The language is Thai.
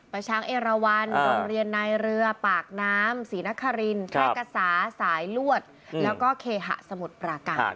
ประชังเอรวรรณโรงเรียนในเรือปากน้ำศรีนครรินทร์แทรกษาสายลวดแล้วก็เคหะสมุดปราการ